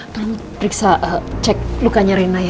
tolong periksa cek lukanya rena ya